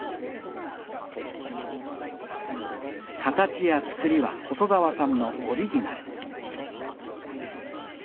形や作りは細澤さんのオリジナル。